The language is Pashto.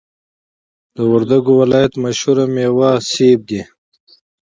د وردګو ولایت مشهوره میوه مڼی دی